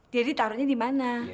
jadi taruhnya di mana